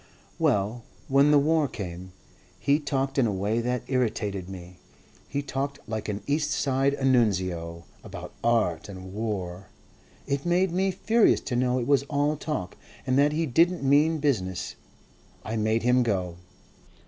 Well when the war came, he talked in a way that irritated me. He talked like an East Side Annunzio, about art and war. It made me furious to know it was all talk and that he didn't mean business.... I made him go."